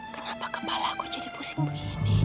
kenapa kepala aku jadi pusing begini